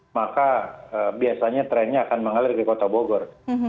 maka biasanya trennya akan mengalir ke kota bogor